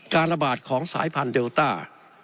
การระบาดของสายพันธุเดลต้า